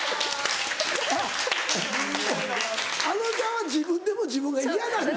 あのちゃんは自分でも自分が嫌なんだ。